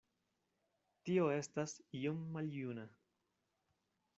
Tio estas iom maljuna.